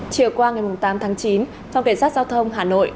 chiều qua ngày tám tháng chín phòng cảnh sát giao thông hà nội